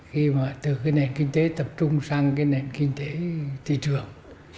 khi mà từ cái nền kinh tế tập trung sang cái nền kinh tế thị trường